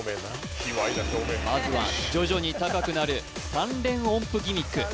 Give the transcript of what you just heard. まずは徐々に高くなる３連音符ギミック